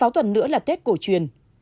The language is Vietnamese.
sáu tuần nữa là tết cổ truyền